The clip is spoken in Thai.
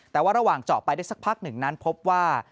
แต่ว่าระหว่างเจาะไปได้สักพักหนึ่งนั้นพบว่า